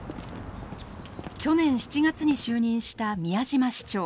去年７月に就任した宮嶋市長。